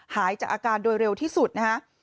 หายจากอาการโดยเร็วที่สุดนะฮะ